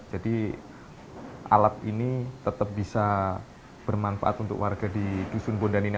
jadi alat ini tetap bisa bermanfaat untuk warga di kisun bondan ini